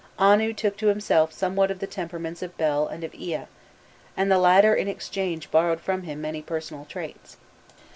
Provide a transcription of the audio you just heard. Anu took to himself somewhat of the temperaments of Bel and of Ea, and the latter in exchange borrowed from him many personal traits.